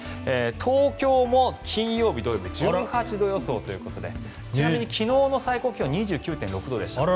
東京も金曜日、土曜日１８度予想ということでちなみに昨日の最高気温２９．６度でした。